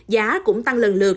giá cũng tăng lần lượt